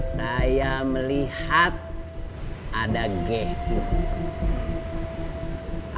saya melihat ada gehuk